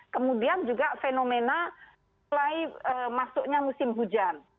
kemudian juga fenomena mulai masuknya musim hujan